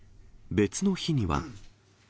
別の日には。